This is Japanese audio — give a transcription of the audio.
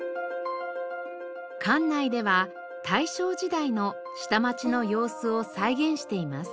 館内では大正時代の下町の様子を再現しています。